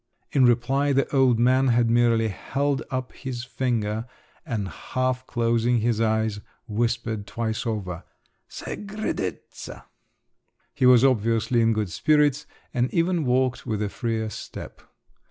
In reply, the old man had merely held up his finger, and half closing his eyes, whispered twice over, Segredezza! He was obviously in good spirits, and even walked with a freer step.